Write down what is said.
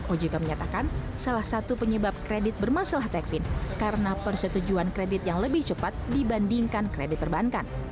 ojk menyatakan salah satu penyebab kredit bermasalah techfin karena persetujuan kredit yang lebih cepat dibandingkan kredit perbankan